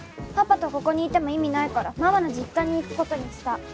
パパとここにいても意味ないからママの実家に行く事にした。